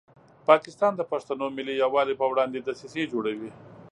پاکستان د پښتنو ملي یووالي په وړاندې دسیسې جوړوي.